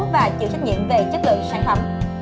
và chịu trách nhiệm về chất lượng sản phẩm